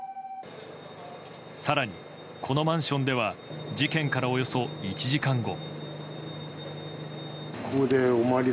更に、このマンションでは事件からおよそ１時間後。